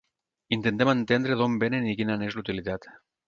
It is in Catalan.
Intentem entendre d’on vénen i quina n’és la utilitat.